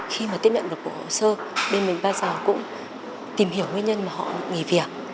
khi mà tiếp nhận được bộ hồ sơ bên mình bao giờ cũng tìm hiểu nguyên nhân mà họ nghỉ việc